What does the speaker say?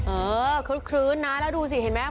เออคลื้นนะแล้วดูสิเห็นมั้ย